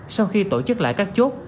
sau khi tổ chức lại các chốt